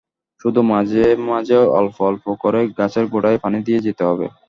শুধু মাঝে মাঝে অল্প অল্প করে গাছের গোড়ায় পানি দিয়ে যেতে হবে।